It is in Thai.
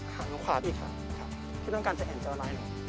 ข้างข้างขวาพี่ค่ะพี่ต้องการจะเห็นเจ้าหน้าหนึ่ง